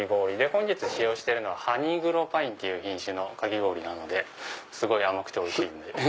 本日使用してるのはハニーグローパインっていう品種なのですごい甘くておいしいんで。